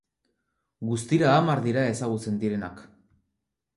Guztira hamar dira ezagutzen direnak.